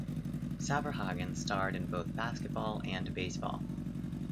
Saberhagen starred in both basketball and baseball.